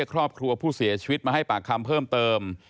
ครอบครัวผู้เสียชีวิตมาให้ปากคำเพิ่มเติม